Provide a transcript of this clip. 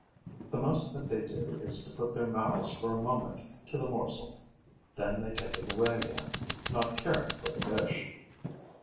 The most that they do is to put their mouths for a moment to the morsel; then they take it away again, not caring for the dish.